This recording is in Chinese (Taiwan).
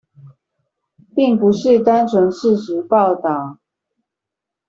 並不是單純事實報導